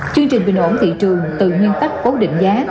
chương trình bình ổn thị trường từ nguyên tắc cố định giá